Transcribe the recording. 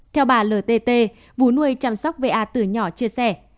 theo bà ltt vốn nuôi chăm sóc va từ nhỏ chia sẻ